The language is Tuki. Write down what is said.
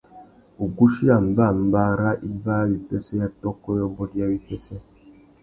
Wuguchia mbămbá râ ibāwipêssê ya tôkô yôbôt ya wipêssê.